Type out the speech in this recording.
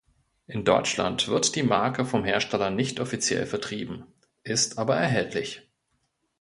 In Deutschland wird die Marke vom Hersteller nicht offiziell vertrieben, ist aber erhältlich.